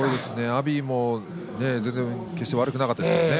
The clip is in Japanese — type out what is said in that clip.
阿炎も決して悪くなかったですよね。